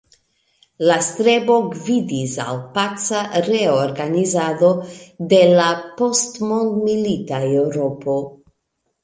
La strebo gvidis al paca reorganizado de la post-mondmilita Eŭropo.